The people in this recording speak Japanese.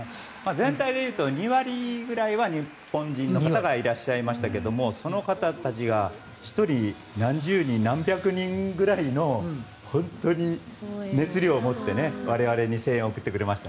全体で言うと２割くらいは日本人の方がいらっしゃいましたがその方たちが何十人何百人ぐらいの本当に熱量を持って我々に声援を送ってくれました。